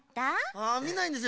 ああみないんですよ。